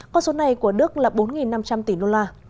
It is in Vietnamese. con số này của đức là bốn năm trăm linh tỷ đô la